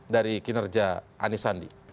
dari kinerja anis sandi